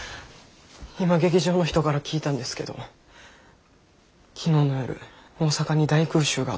今劇場の人から聞いたんですけど昨日の夜大阪に大空襲があって。